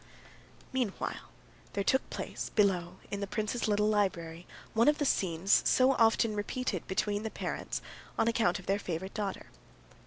Meanwhile there took place below, in the prince's little library, one of the scenes so often repeated between the parents on account of their favorite daughter.